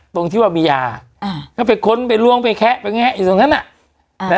ตรงที่ว่ามียาแล้วไปค้นไปล้วงไปแคะไปแงะอยู่ตรงนั้นอ่ะ